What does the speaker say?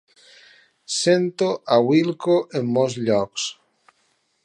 Sento a Wilko en molts llocs.